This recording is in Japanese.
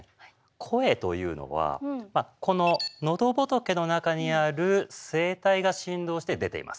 声というのはこののどぼとけの中にある声帯が振動して出ています。